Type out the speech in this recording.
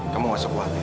kamu gak sepuh hati